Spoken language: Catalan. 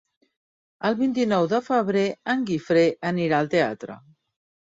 El vint-i-nou de febrer en Guifré anirà al teatre.